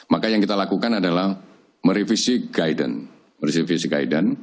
maka yang kita lakukan adalah merevisi guidance